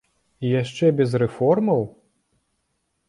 І яшчэ без рэформаў?